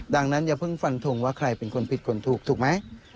ดังนั้นอย่าเพิ่งฟันทงว่าใครเป็นคนผิดคนถูกถูกไหม